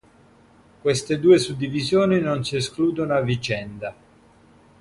Queste due suddivisioni non si escludono a vicenda.